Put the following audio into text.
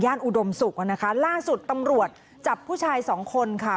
อุดมศุกร์นะคะล่าสุดตำรวจจับผู้ชายสองคนค่ะ